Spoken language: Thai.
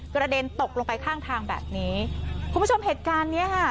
กระเด็นตกลงไปข้างทางแบบนี้คุณผู้ชมเหตุการณ์เนี้ยค่ะ